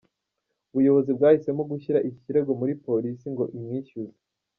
Ubuyobozi bwahisemo gushyira iki kirego muri Polisi ngo imwishyuze”.